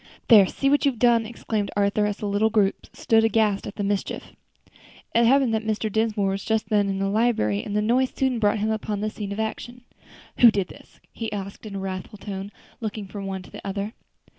"There, see what you've done!" exclaimed Arthur, as the little group stood aghast at the mischief. It happened that Mr. Dinsmore was just then in the library, and the noise soon brought him upon the scene of action. "Who did this?" he asked, in a wrathful tone, looking from one to the other.